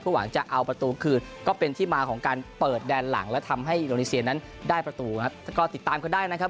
เพราะหวังจะเอาประตูคืนก็เป็นที่มาของการเปิดแดนหลังและทำให้นั้นได้ประตูแล้วก็ติดตามก็ได้นะครับ